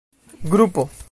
grupo